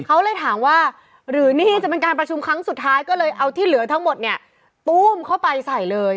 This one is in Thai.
เขาเลยถามว่าหรือนี่จะเป็นการประชุมครั้งสุดท้ายก็เลยเอาที่เหลือทั้งหมดเนี่ยตู้มเข้าไปใส่เลย